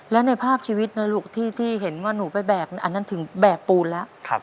แล้วในภาพชีวิตนะลูกที่เห็นว่าหนูไปแบกอันนั้นถึงแบกปูนแล้ว